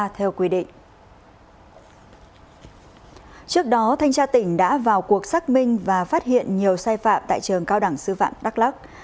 trước đó thanh tra tỉnh đã vào cuộc xác minh và phát hiện nhiều sai phạm tại trường cao đẳng sư phạm đắk lắc